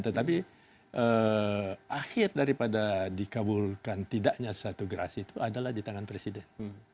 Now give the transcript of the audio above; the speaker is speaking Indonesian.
tetapi akhir daripada dikabulkan tidaknya suatu gerasi itu adalah di tangan presiden